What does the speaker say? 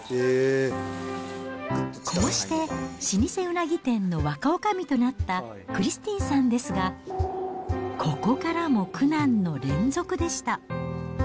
こうして、老舗うなぎ店の若おかみとなったクリスティンさんですが、ここからも苦難の連続でした。